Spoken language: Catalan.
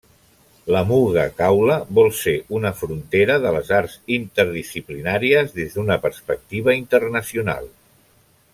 La Muga Caula vol ser una frontera de les arts interdisciplinàries des d'una perspectiva internacional.